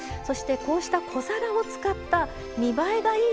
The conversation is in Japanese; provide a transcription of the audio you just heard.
こうした小皿を使った見栄えがいい